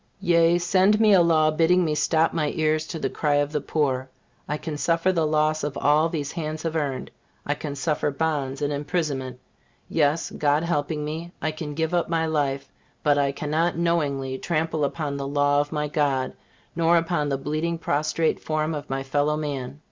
Yea, send me a law bidding me stop my ears to the cry of the poor, I can suffer the loss of all these hands have earned, I can suffer bonds and imprisonment yes, God helping me, I can give up my life but I cannot knowingly trample upon the law of my God, nor upon the bleeding, prostrate form of my fellow man.